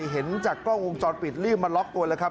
เห็นจากกล้องวงจรปิดรีบมาล็อกตัวแล้วครับ